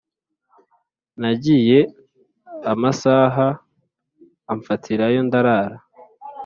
Nagiye amasaha amfatirayo ndarara